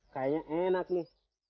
kayaknya enak nih